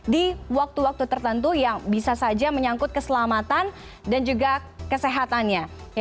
di waktu waktu tertentu yang bisa saja menyangkut keselamatan dan juga kesehatannya